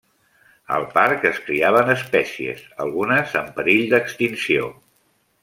Al parc es criaven espècies, algunes en perill d'extinció.